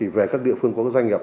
về các địa phương có doanh nghiệp